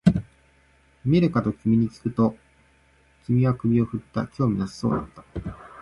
見るかと君にきくと、君は首を振った、興味なさそうだった